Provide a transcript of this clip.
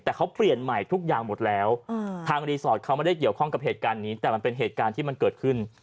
แต่เขาเปลี่ยนใหม่ทุกอย่างหมดแล้วทางรีสอร์ทเขาไม่ได้เกี่ยวข้องกับเหตุการณ์นี้แต่มันเป็นเหตุการณ์ที่มันเกิดขึ้น